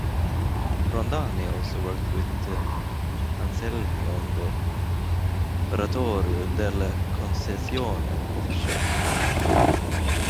Rondani also worked with Anselmi in the "Oratorio della Concezione" of the church.